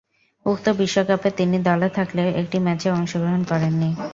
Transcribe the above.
উক্ত বিশ্বকাপে তিনি দলে থাকলেও একটি ম্যাচেও অংশগ্রহণ করেননি।